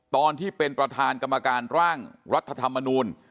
ตอนที่เป็นประธานกรรมการร่างรัฐธรรมนูล